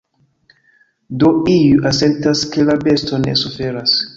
Do iuj asertas, ke la besto ne suferas.